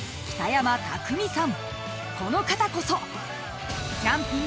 ［この方こそ］